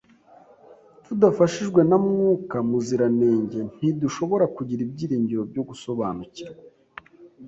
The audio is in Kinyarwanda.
tudafashijwe na Mwuka Muziranenge ntidushobora kugira ibyiringiro byo gusobanukirwa